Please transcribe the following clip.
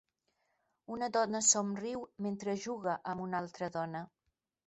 Una dona somriu mentre juga amb una altra dona.